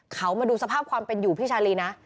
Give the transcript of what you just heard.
เขามาดูสภาพความเป็นอยู่พี่ชาลีนะ